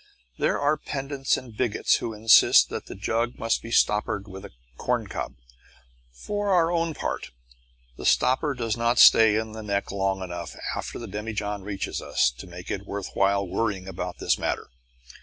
There are pedants and bigots who insist that the jug must be stoppered with a corncob. For our own part, the stopper does not stay in the neck long enough after the demijohn reaches us to make it worth while worrying about this matter.